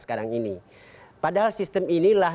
sekarang ini padahal sistem inilah